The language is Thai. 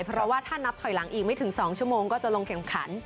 เพราะว่าถ้านับถอยหลังอีกไม่ถึง๒ชั่วโมงก็จะลงแข่งขัน